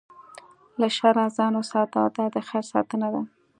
له شره ځان وساته، دا د خیر ساتنه ده.